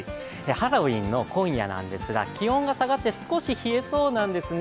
ハロウィーンの今夜なんですが気温が下がって少し冷えそうなんですね。